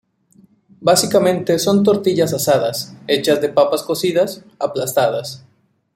Básicamente son tortillas asadas, hechas de papas cocidas, aplastadas.